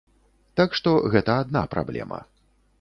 Так што гэта адна праблема.